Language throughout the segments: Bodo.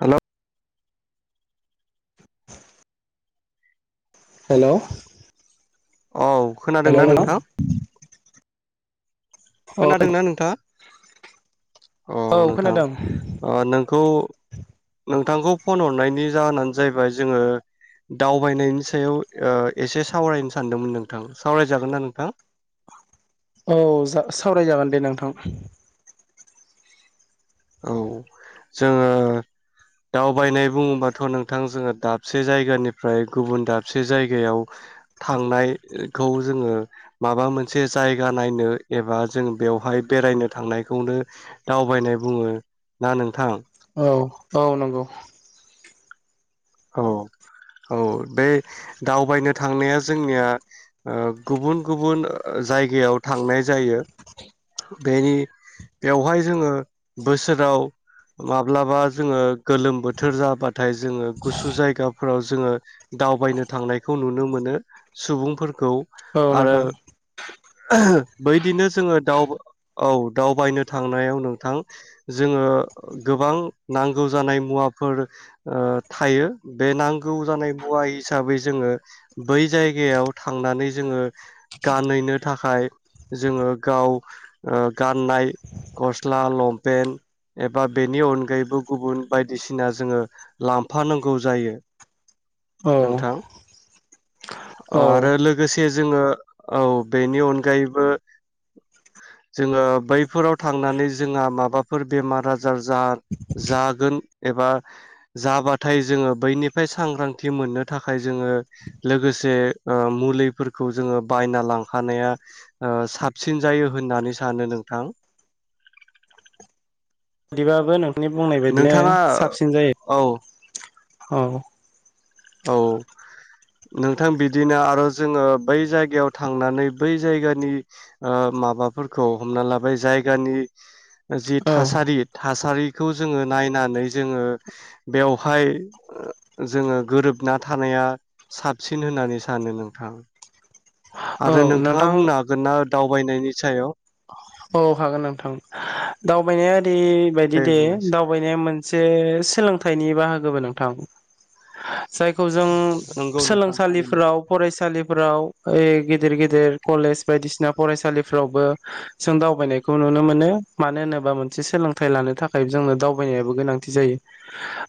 हेलौ [inaudible] हेलौ औ खोनादोंना नोंथां? औ खोनादोंना नोंथाङा? अ औ नोंथां खोनादों ओ नोंखौ नोंथांखौ फन हरनायनि जाहोनानो जाहैबाय जोंङो दावबायनायनि सायाव ओ एसे सावरायनो सानदोंमोन नोंथां सावरायजागोन ना नोंथां? औ जा सावराय जागोन दे नोंथां। औ जोंङो दावबायनाय बुङोबाथ' नोंथां जोंङो दाबसे जायगानिफ्राय गुबुन दाबसे जायगायाव थांनायखौ जोंङो माबा मोनसे जायगा नायनो एबा जों बेवहाय बेरायनो थांनायखौनो दावबायनाय बुङो ना नोंथां? औ औ नंगौ। औ औ बे दावबायनो थांनाया जोंनिया ओ गुबुन गुबुन ओ जायगायाव थांनाय जायो बेनि बेवहाय जोंङो बोसोराव माब्लाबा जोंङो गोलोम बोथोर जाबाथाय जोंङो गुसु जायगाफोराव जोङो दावबायनो थांनायखौ नुनो मोनो सुबुंफोर खौ औ आरो नोंथां [unintelligible] बैदिनो जोङो दाव औ दावबायनो थांनायाव नोंथां जोङो गोबां नांगौ जानाय मुवाफोर ओ थायो बे नांगौ जानाय मुवा हिसाबै जोङो बै जायगायाव थांनानै जोङो गानहैनो थाखाय जोङो गाव ओ गाननाय गस्ला लंपेन्ट एबा बेनि अनगायैबो गुबुन बायदिसिना जोङो लामब फानांगौ जायो औ अ औ आरो लोगोसे जोङो औ बेनि अनगायैबो जोङो बैफोराव थांनानै जोंहा माबाफोर बेमार आजार जा जागोन एबा जाबाथाय जोङो बैनिफ्राय सांग्रांथि मोननो थाखाय जोङो लोगोसे ओ मुलिफोरखौ जोङो बायना लांखानाया ओ साबसिन जायो होननानै सानो नोंथां दिबाबो नों नि बुंनाय बादिनो नोंथाङा साबसिन औ जायो औ। औ नोंथां बिदिनो आरो जोङो बै जायगायाव थांनानै बै जायगानि ओ माबाफोरखौ हमना लाबाय जायगानि जि औ थासारि थास थासारिखौ जोङो नायनानै जोङो बेवहाय ओ जोङो गोरोबना थानाया साबसिन होननानै सानो नोंथां। औ आरो नोंथाङा नोंथां बुंनो हागोन ना दावबायनायनि सायाव। औ हागोन नोंथां दावबायनाया ओय बायदि दे दावबायनाया मोन सेस सोलोंथाइनि बाहागोबो नोंथां। जायखौ जों नंगौ नोंथां थारैनो सोलोंसालिफोराव फरायसालिफोराव यै गिदिर गि गेदेर कलेज बायदिसिना फरायसालिफ्रावबो जों दावबायनायखौ नुनो मोनो मानो होनोबा मोनसे सोलोंथाइ लानो थाखाय जोंनो दावबायनायाबो गोनांथि जायो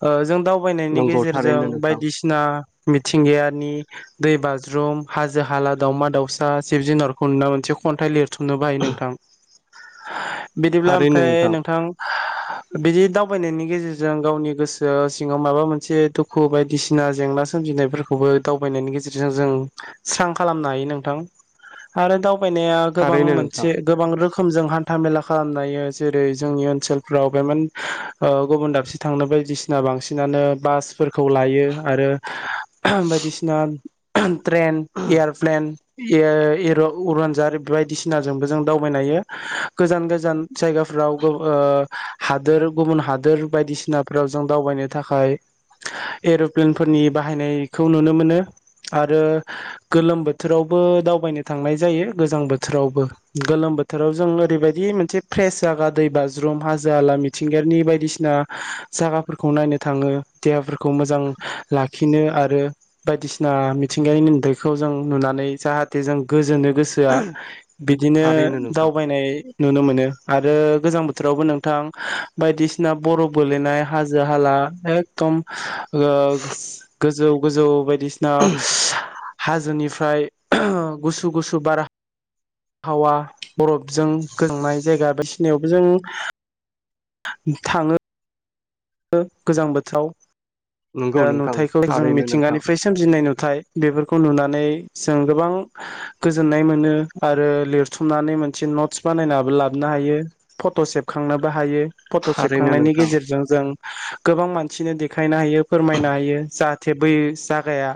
ओ जों दाव बायनायनि नंगौ गेजेरजों थारैनो नोंथां बायदिसिना मिथिंगायानि दै बाज्रुम हाजो हाला दावमा दाावसा जिब जुनारखौ नुना मोनसे खन्थाइ लिर बुथुमनोबो हायो नोंथां। बिदिब्ला ओमफ्राय नोंथां बिदि दावबायनायनि गेजेरजों गावनि गोसो सिङाव माबा मोनसे दुखु बायदिसिना जेंना सोमजिनायफोरखौबो दावबायनायनि गेजेरजों जों स्रां खालामनो हायो नोंथां आरो दाव बायनाया गोबां थारैनो मोनसे नोंथां रोखोमजों हान्था मेला खालामनोहायो जेरै जोंनि ओनसोलफ्राव बे गुबुन दाबसे थांनो बायदिसिना बांसिनानो बासफोरखौ लायो आरो बायदिसिना [unintelligible] ट्रेन एयारप्लेन एयार एर' उरानजार बायदिसिनाजोंबो जों दावबायनो हायो गोजान गोजान जायगाफ्राव ओ हादोर गुबुन हादोर बायदिसिनाफोराव जों दावबायनो थाखाय एर'प्लेनफोरनि बाहायनायखौ नुनो मोनो आरो गोलोम बोथोरावबो दावबायनो थांनाय जायो गोजां बोथोरावबो। गोलोम बोथोराव जों ओरैबायदि मोनसे फ्रेस जागा दै बाज्रुम हाजो हाला मिथिंगानि बायदिसिना जागाफोरखौ नायनो थाङो देहाफोरखौ मोजां लाखिनो आरो बायदिसिना मिथिंगायनि नुथायखौ जों नुनानै जाहाथे जों गोजोनो। गोसोआ बि दिनो थारैनो नोंथां दावबायनाय नुनो मोनो आरो आरो गोजां बोथोरावबो नोंथां बायदिसिना बर'ब गोलैनाय हाजो हाला एकदम [unintelligible] गोजौ गोजौ बाय दिसिना [unintelligible] हाजोनिफ्राय गुसु गुसु बारा। हावा बरब। जों गोजांनाय जायगा बा नायावबो जों था-थाङो। ओ गोजां बोथोराव। नंगौ ओ नोंथां नुथायखौ जों थारैनो नोंथां मिथिंगानिफ्राय सोमजिनाय नुथाय। बेफोरखौ नुनानै जों गोबां गोजोननाय मोनो आरो लिरथुमनानै मोनसे नटस बानायनानै लाबोनो हायो फट सेबखांनोबो हायो। फट थारैनो सेबखांनायनि नोंथां गेजेरजों जों। गोबां मानसिनो देखायनो हायो फोरमायनो हायो जाहाथे बै जागाया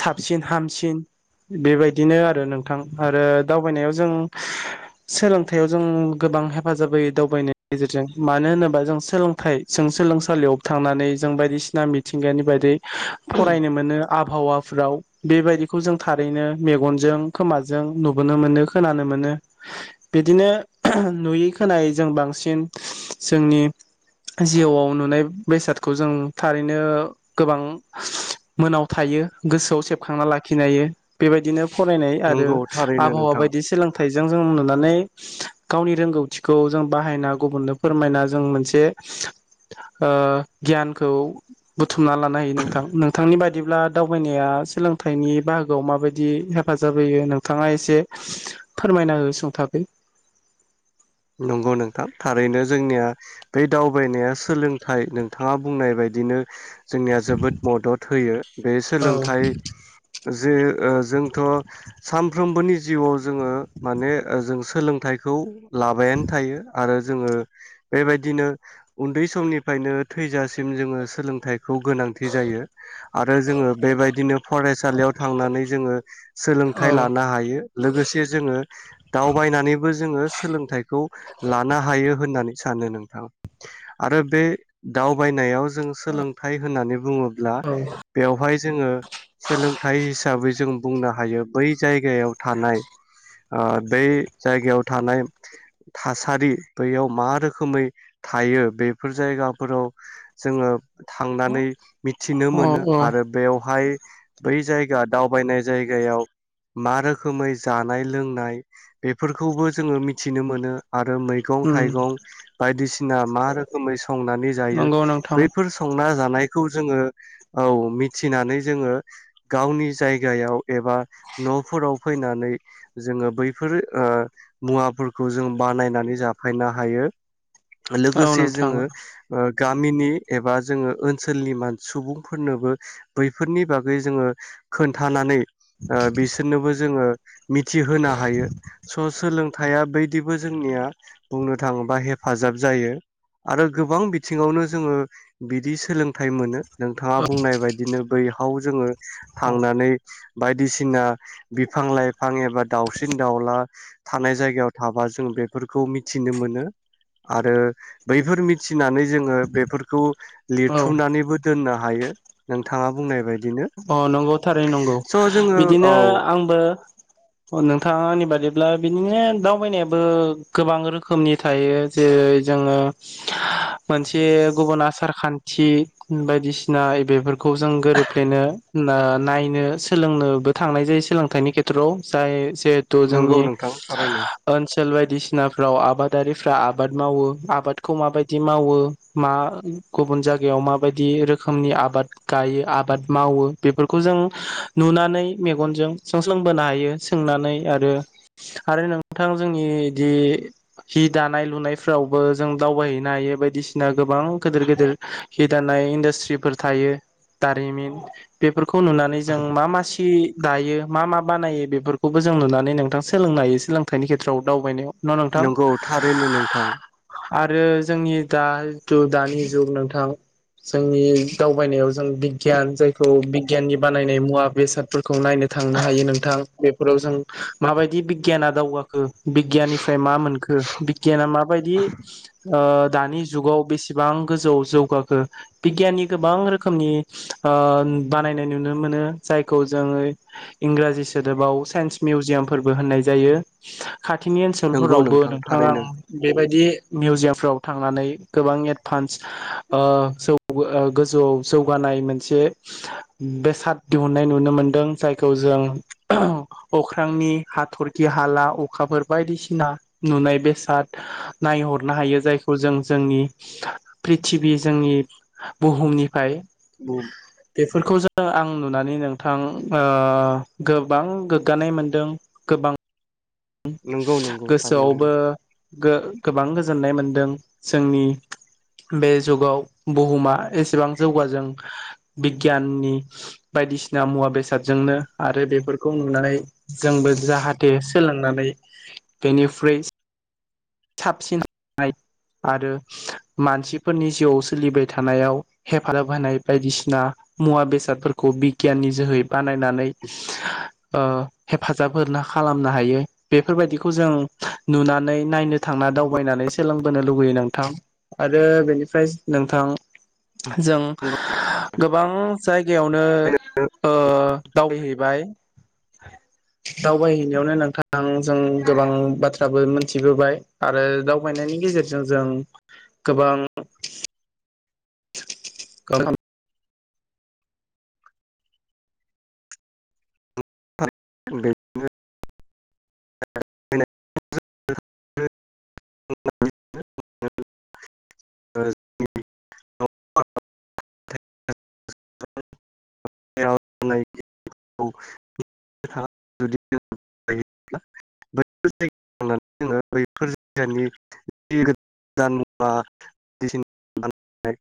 साबसिन हामसिन। बेबायदिनो आरो नोंथां आरो दावबायनायाव जों सोलोंथाइयाव जों गोबां हेफाजाब होयो दावबायनायनि गेजेरजों मानो होनोबा जों सोलोंथाइ। जों सोलोंसालियाव थांनानै जों बायदिसिना मिथिंगानि बायदै। फरायनो मोनो। आबहावाफ्राव बेबायदिखौ जों थारैनो मेगनजों खोमाजों नुबोनो मोनो खोनानो मोनो बिदिनो नुयै खोनायै जों बांसिन जोंनि। जिउआव नुनाय बेसादखौ जों थारैनो गोबां मोनाव थायो गोसोआव सेबखांना लाखिनो हायो बेबायदिनो। फरायनाय आरो नंगौ थारैनो आबहावा नोंथां बायदि सोलोंथाइ। जों जों नुनानै गावनि रोंगौथिखौ जों बाहायना गुबुननो फोरमायना जों मोनसे। ओ गियानखौ बु थुमना लानो हायो नोंथां नोंथांनि बायद दिब्ला दावबायनाया सोलोंथाइनि बाहागोआव माबायदियै हेफाजाब होयो नोंथाङा एसे फोरमायना हो सुंथाबै। नंगौ नोंथां थारैनो जोंनिया बै दावबायनाया सोलोंथाइ नोंथाङा बुंनाय बायदिनो। जोंनिया जोबोद मदद होयो बे औ सोलोंथाइ। जे ओह जोंथ सानफ्रोमबोनि जिउआव। जोंङो माने ओ जों सोलों थायखौ। लाबायानो थायो आरो जोंङो बेबायदिनो उन्दै समनिफ्रायनो थैजासिम जोंङो सोलोंथाइ। खौ गोनांथि जायो आरो जोंङो बेबायदिनो फरायसालियाव थांनानै जोंङो औ सोलोंथाइ लानो हायो लोगोसे जोंङो दावबायनानैबो जोंङो सलों फिथाइखौ लानो हायो होननानै सानो नोंथां आरो बे दावबायनायाव जों सोलोंथाइ होननानै बुंङोब्ला औ बेवहाय जे जोंङो सोलोंथाइ हिसाबै जों बुंनो हायो बै जायगायाव थानाय आ दै जाय गायाव थानाय थासारि बैयाव मा रोखोमै थायो बेफोर जायगाफोराव जोङो थांनानै मिथिनो औ मोनो औ आरो बेवहाय बै जायगा दावबायनाय जायगायाव मा रोखोमै जानाय लोंनाय बेफोरखौबो जोङो मिथि मिथिनो मोनो आरो मैगं उम थाइगं बायदिसिना मा रोखोमै संनानै जायो नंगौ नोंथां बैफोर संना जानाय खौ जोङो औ मिथिनानै जोङो गावनि जायगायाव एबा न'फोराव फैनानै जोङो बैफोर ओ मुवा खौ जों बानायनानै जाफायनो हायो औ लोगोसे नोंथां औ जोङो ओ गामिनि एबा जोङो ओनसोलनि सुबुंफोरनोबो बैफोरनि बागै जोङो खोन्थानानै ओ बिसोरनोबो जोङो मिथिहोनो हायो स' सोलों थाया बै बिदिबो जोंनिया बुंनो थाङोबा हेफाजाब जायो आरो गोबां बिथिङावनो जोङो बिदि सोलोंथाइ मोनो नोंथाङा बुंनाय बायदिनो बै थाव जोङो थांनानै बायदिसिना बिफां लाइफ हां एबा दाउसिन दाउला थानाय जायगायाव थाबा जों बेफोरखौ मिथिनो मोनो आरो बैफोर मिथि फिनानै जोङो बेफोरखौ लिरथुमनानैबो दोननो हायो हायो नोंथाङा बुंनाय बायदि अ नंगौ थारै नंगौ जोङो औ बिदिनो आंबो नोंथाङनि बादिब्ला बिदिनो दावबायनायाबो गोबां रोखोमनि थायो जेरै जोङो मोनसे गुबुन आसार खान्थि थि बायदिसिना बेफोरखौ जों बेनो नायनो सोलोंनोबो थांनाय जायो सोलोंथाइनि खेथ्रआव जाय जिहेथु नंगौ जोंनि नोंथां थारैनो ओनसो ओनसोल बायदिसिनाफ्राव आबादारिफ्रा आबाद मावो आबादखौ माबायदि मावो मा गुबुन जायगायाव माबायदि रोखोमनि आबाद गायो आबाद मावो बेफोरखौ जों नुनानै मेगनजों सोंस्लोंबोनो हायो सोंनानै आरो आरो नोंथां जोंनिदि हि दानाय लुनायफ्रावबो जों दावबायहैनो हायो बायदिसिना गोबां गेदेर गेदिर सि दानाय इन्डास्ट्रिफोर थायो दारिमिन बेफोर खौ नुनानै जों मा मा सि दायो मा मा बानायो बेफोरखौबो जों नुनानै नोंथां सोलोंनो हायो सोलोंथाइनि खेथ्रआव दावबायनायाव। न' नोंथां नोंगौ थारैनो नोंथां। आरो जोंनि दा जिथु दानि जुग नोंथां जोंनि दावबायनायाव जों बिगियान जाय खौ बिगियाननि बानायनाय मुवा बेसादफोर खौ नायनो थांनो हायो नोंथां। बेफोराव जों माबायदि बिगियाना दावगाखो बिगियाननिफ्राय मा मोनखो बिगियाना मा बायदि ओ दानि जुगाव बेसेबां गोजौआव जौगाखो बिगियाननि गोबां रोखोमनि ओ बानायनाय नुनो मोनो जायखौ जोङो इंराजि सोदोबाव साइन्स मिउजियामफोरबो होननाय जायो। खाथिनि नंगौ ओनसोलफोरावबो नोंथां नोंथाङा थारैनो बेबायदि मिउजियामफ्राव थां थांनानै गोबां एडभान्स ओ जौ गोजौआव जौगानाय मोनसे बेसाद दिहुननाय नुनो मोनदों जायखौ जों अख्रांनि हाथरखि हाला अखाफोर बायदिसिना नुनाय बेसाद नायहरनो हायो जायखौ जों जोंनि प्रिथिबि जोंनि बुहुमनिफ्राय [unintelligible] बेफोरखौ जों आं नुनानै नोंथां ओ गोबां गोग्गानाय मोनदों गोबां नंगौ नंगौ थारैनो गोसोआवबो गो-गोबां गोजोननाय मोन दों जोंनि बे जुगाव बुहुमा एसेबां जौगाजों बिगियाननि बायदिसिना मुवा बेसादजोंनो आरो बेफोरखौ नुनानै जोंबो जाहाथे सोलोंनानै बेनिफ्रुइ साबसिननाय आरो मानसिफोरनि जिउआव सोलिबाय थानायाव हेफाजाब होनाय बायदिसिना मुवा बेसादफोरखौ बिगियाननि जोहै बानायनानै ओ हेफाजाब होना खालामो। नो हायो बेफोरबायदिखौ जों नुनानै नायनो थांना दावबायनानै सोलोंबोनो लुुबैयो नोंथां आरो बेनिफ्राय नोंथां जों नंगौ गोबां जायगायावनो नो ओ दावहैबाय दावबाय है। हैनायावनो नोंथां जों गोबां बाथ्राबो मिथिबोबाय आरो दावबायनायनि गेजेरजों जों गोबां [unintelligible] [unintelligible] [unintelligible] [unintelligible]